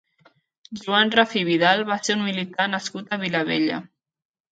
Joan Rafí Vidal va ser un militar nascut a Vilabella.